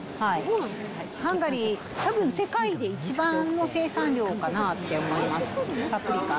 ハンガリー、多分世界で一番の生産量だと思います、パプリカ。